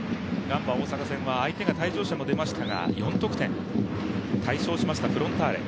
ガンバ大阪戦は相手が退場者も出ましたが、４得点大勝しましたフロンターレ。